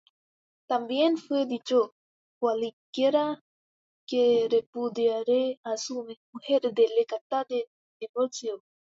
También fué dicho: Cualquiera que repudiare á su mujer, déle carta de divorcio: